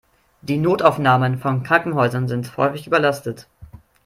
Die Notaufnahmen von Krankenhäusern sind häufig überlastet.